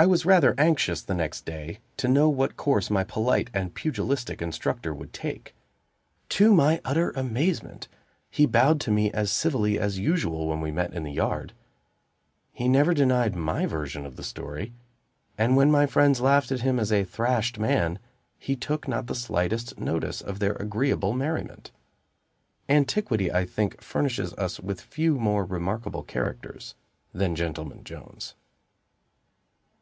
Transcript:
I was rather anxious, the next day, to know what course my polite and pugilistic instructor would take. To my utter amazement, he bowed to me as civilly as usual when we met in the yard; he never denied my version of the story; and when my friends laughed at him as a thrashed man, he took not the slightest notice of their agreeable merriment. Antiquity, I think, furnishes us with few more remarkable characters than Gentleman Jones.